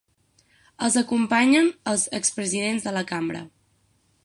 Els acompanyen els ex-presidents de la cambra.